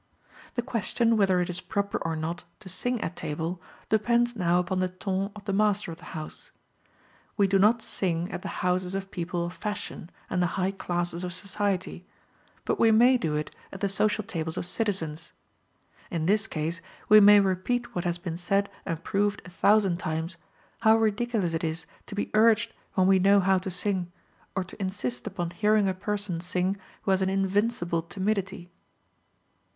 The question whether it is proper, or not, to sing at table, depends now upon the ton of the master of the house. We do not sing at the houses of people of fashion and the high classes of society; but we may do it at the social tables of citizens. In this case, we may repeat what has been said and proved a thousand times how ridiculous it is to be urged when we know how to sing, or to insist upon hearing a person sing who has an invincible timidity.